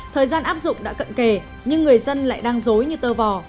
thời gian áp dụng đã cận kề nhưng người dân lại đang dối như tơ vò